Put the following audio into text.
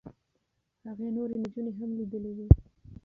هغې نورې نجونې هم لیدلې وې.